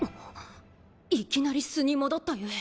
いきなり素に戻ったゆえ。